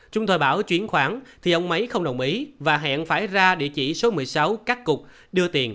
trung tòi bảo chuyển khoản thì ông ấy không đồng ý và hẹn phải ra địa chỉ số một mươi sáu cát cục đưa tiền